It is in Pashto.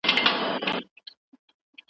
نوی قانون د دولت لخوا اعلان سو.